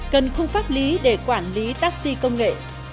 cần khung pháp lý để quản lý taxi công nghệ